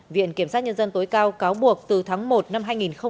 viện kiểm soát nhân dân tối cao cáo buộc từ tháng một năm hai nghìn một mươi năm